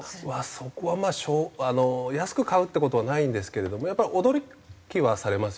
そこはまあ安く買うって事はないんですけれどもやっぱり驚きはされますよね。